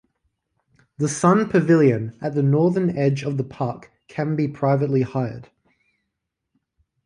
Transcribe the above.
The Sun Pavilion at the northern edge of the park can be privately hired.